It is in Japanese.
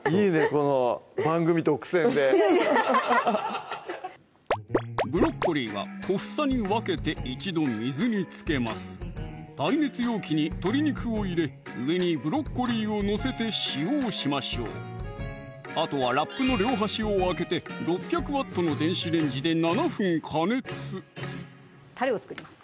この番組独占でブロッコリーは小房に分けて一度水につけます耐熱容器に鶏肉を入れ上にブロッコリーを載せて塩をしましょうあとはラップの両端を開けて６００Ｗの電子レンジで７分加熱たれを作ります